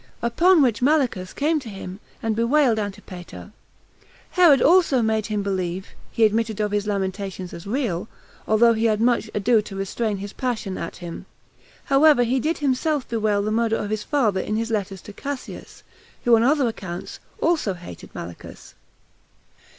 Upon which Malithus came to him, and bewailed Antipater; Herod also made him believe [he admitted of his lamentations as real], although he had much ado to restrain his passion at him; however, he did himself bewail the murder of his father in his letters to Cassius, who, on other accounts, also hated Malichus.